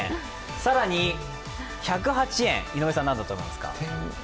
１０８円、井上さん何だと思いますか？